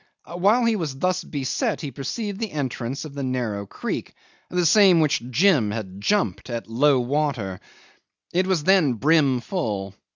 While he was thus beset he perceived the entrance of the narrow creek (the same which Jim had jumped at low water). It was then brim full.